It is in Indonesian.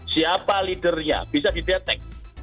siapa lidernya bisa dideteksi